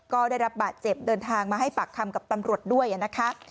ก็ได้รับบาดเจ็บเดินทางมาให้ปากคำกับตำรวจด้วยนะคะ